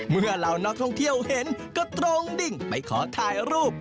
เหล่านักท่องเที่ยวเห็นก็ตรงดิ้งไปขอถ่ายรูป